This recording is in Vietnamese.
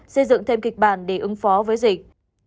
xây dựng thêm kịch bản để ứng phó với dịch